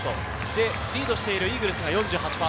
リードしているイーグルスが４８％。